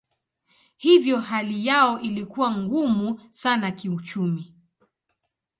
Hivyo hali yao ilikuwa ngumu sana kiuchumi.